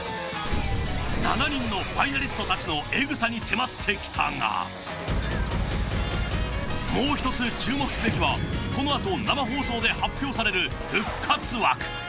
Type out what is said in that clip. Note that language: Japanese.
７人のファイナリストたちのエグさに迫ってきたがもう１つ注目すべきはこのあと生放送で発表される復活枠。